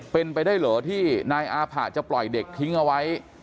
เป็นไปได้เหรอที่นายอาผะจะปล่อยเด็กทิ้งเอาไว้